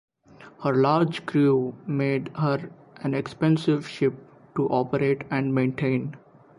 Her large crew made her an expensive ship to operate and maintain.